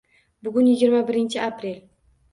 Bugun yigirma birinchi aprel.